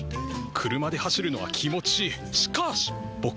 車で走るのは気持ちいい。